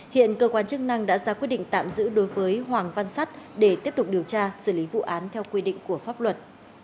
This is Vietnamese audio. hiện cơ quan chức năng đã ra quyết định tạm giữ đối với hoàng văn sắt để tiếp tục điều tra xử lý vụ án theo quy định của pháp luật